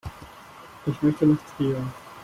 Ich möchte nach Trier